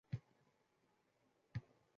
Keyinroq yanada «yiriklashtirish» bo‘lib o‘tdi